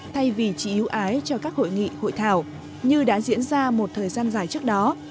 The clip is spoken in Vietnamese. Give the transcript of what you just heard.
thay vì chỉ yếu ái cho các hội nghị hội thảo như đã diễn ra một thời gian dài trước đó